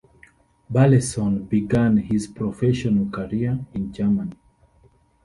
Burleson began his professional career in Germany.